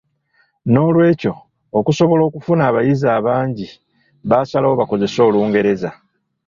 "Noolwekyo, okusobola okufuna abayizi abangi baasalawo bakozese Olungereza."